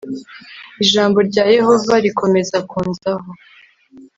ijambo rya yehova rikomeza kunzaho